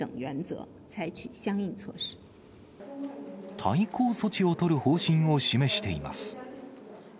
対抗措置を取る方針を示しています。